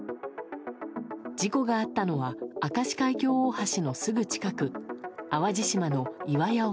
事故があったのは明石海峡大橋のすぐ近く淡路島の岩屋沖。